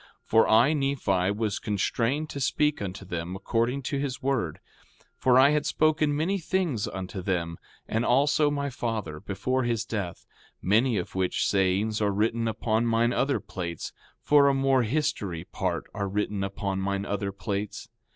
4:14 For I, Nephi, was constrained to speak unto them, according to his word; for I had spoken many things unto them, and also my father, before his death; many of which sayings are written upon mine other plates; for a more history part are written upon mine other plates.